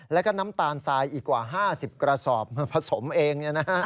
แล้วก็น้ำตาลทรายอีกกว่า๕๐กระสอบมาผสมเอง